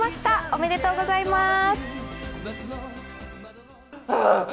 おめでとうございます。